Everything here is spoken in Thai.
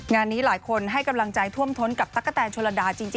งานนี้หลายคนให้กำลังใจท่วมท้นกับตั๊กกะแตนชนระดาจริง